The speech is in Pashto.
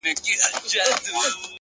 وخت د ژوند تر ټولو قیمتي امانت دی!.